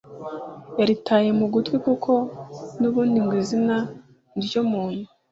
yaritaye mu gutwi, kuko n’ubundi ngo izina ni ryo muntu